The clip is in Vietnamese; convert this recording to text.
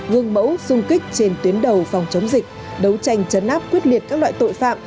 gương mẫu sung kích trên tuyến đầu phòng chống dịch đấu tranh chấn áp quyết liệt các loại tội phạm